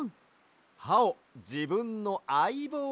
はをじぶんの「あいぼう」